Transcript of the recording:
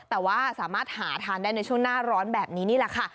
แต่ว่าสามารถหาทานได้ในช่วงหน้าร้อนแบบนี้นี่แหละค่ะ